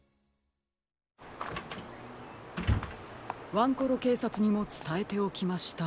ワンコロけいさつにもつたえておきました。